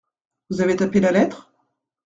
Vous avez tapé la lettre ?